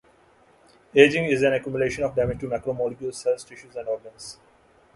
Aging is an accumulation of damage to macromolecules, cells, tissues and organs.